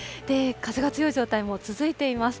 風が強い状態も続いています。